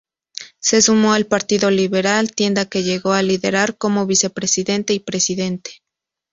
Se sumó al Partido Liberal, tienda que llegó a liderar como vicepresidente y presidente.